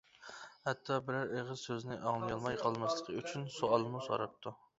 ھەتتا بىرەر ئېغىز سۆزىنى ئاڭلىيالماي قالماسلىقى ئۈچۈن سوئالمۇ سوراپتۇ.